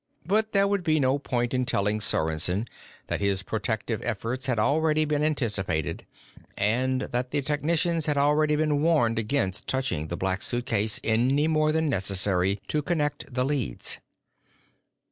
But there would be no point in telling Sorensen that his protective efforts had already been anticipated and that the technicians had already been warned against touching the Black Suitcase any more than necessary to connect the leads.